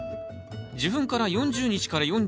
授粉から４０日から４５日。